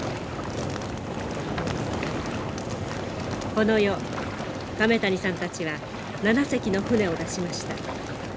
この夜亀谷さんたちは７隻の舟を出しました。